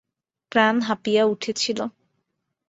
প্রাণ হাঁপিয়ে উঠেছিল।